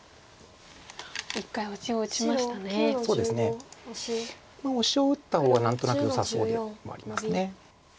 このオシを打った方が何となくよさそうでもあります。